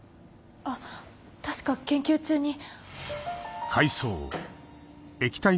あっ確か研究中に。